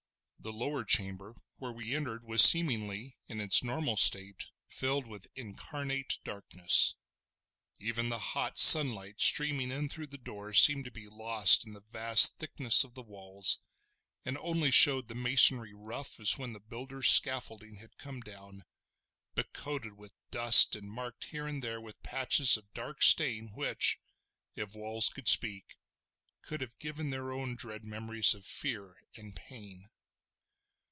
The lower chamber where we entered was seemingly, in its normal state, filled with incarnate darkness; even the hot sunlight streaming in through the door seemed to be lost in the vast thickness of the walls, and only showed the masonry rough as when the builder's scaffolding had come down, but coated with dust and marked here and there with patches of dark stain which, if walls could speak, could have given their own dread memories of fear and pain.